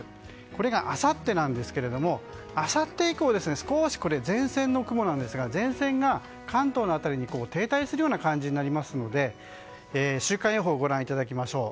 これがあさってなんですけれどもあさって以降、少し前線が関東の辺りに停滞するようになりますので週間予報をご覧いただきましょう。